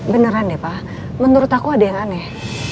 beneran ya pak menurut aku ada yang aneh